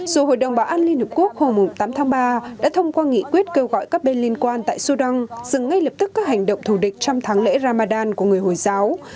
dù hội đồng bảo an liên hợp quốc hôm tám tháng ba đã thông qua nghị quyết kêu gọi các bên liên quan tại sudan dừng ngay lập tức các hành động thù địch trong tháng lễ ramadan của người hồi giáo